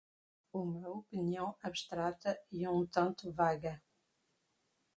uma opinião abstrata e um tanto vaga